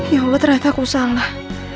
ya allah ternyata aku salah